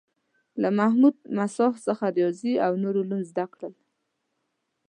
له محمود مساح څخه ریاضي او نور علوم زده کړل.